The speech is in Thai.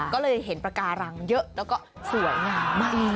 ก็เลยเห็นปากการังเยอะแล้วก็สวยงามมาก